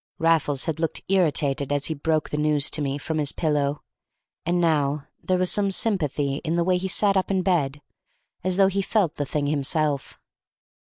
Raffles had looked irritated as he broke the news to me from his pillow, and now there was some sympathy in the way he sat up in bed, as though he felt the thing himself.